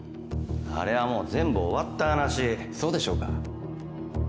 あれはもう全部終わった話そうでしょうか？